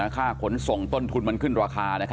ขนส่งต้นทุนมันขึ้นราคา